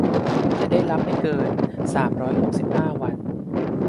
จะได้รับไม่เกิน สามร้อยหกสิบห้า วัน